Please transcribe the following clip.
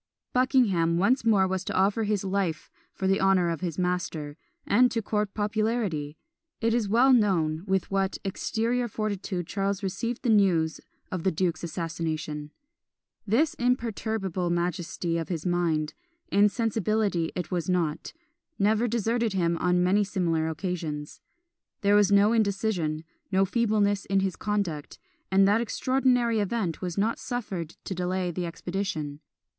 Buckingham once more was to offer his life for the honour of his master and to court popularity! It is well known with what exterior fortitude Charles received the news of the duke's assassination; this imperturbable majesty of his mind insensibility it was not never deserted him on many similar occasions. There was no indecision no feebleness in his conduct; and that extraordinary event was not suffered to delay the expedition.